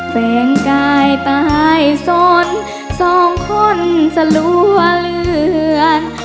แฟนกายตายสนสองคนสลัวเลือน